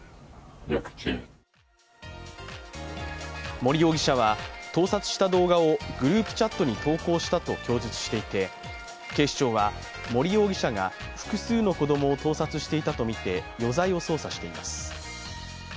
森容疑者は盗撮した動画をグループチャットに投稿したと供述していて警視庁は森容疑者が複数の子供を盗撮していたとみて、余罪を捜査しています。